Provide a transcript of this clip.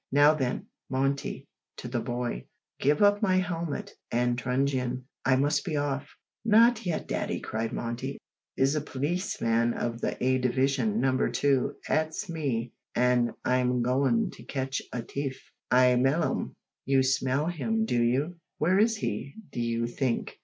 Now then, Monty," (to the boy), "give up my helmet and truncheon. I must be off." "Not yet, daddy," cried Monty, "I's a pleeceman of the A Division, Number 2, 'ats me, an' I'm goin' to catch a t'ief. I 'mell 'im." "You smell him, do you? Where is he, d'you think?"